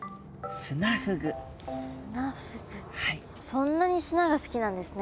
そんなに砂が好きなんですね